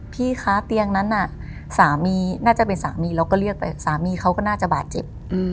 พี่คะเตียงนั้นน่ะสามีน่าจะเป็นสามีเราก็เรียกไปสามีเขาก็น่าจะบาดเจ็บ